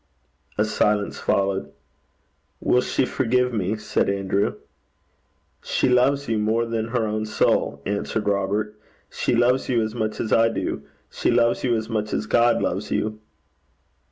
A silence followed. 'Will she forgive me?' said Andrew. 'She loves you more than her own soul,' answered Robert. 'She loves you as much as I do. She loves you as God loves you.'